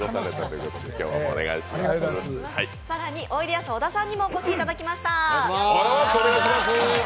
更においでやす小田さんにもお越しいただきました。